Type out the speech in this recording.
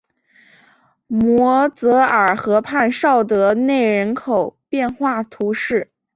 摩泽尔河畔绍德内人口变化图示